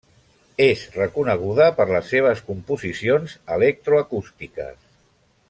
És reconeguda per les seves composicions electroacústiques.